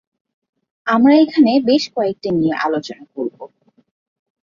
আমরা এখানে বেশ কয়েকটি নিয়ে আলোচনা করব।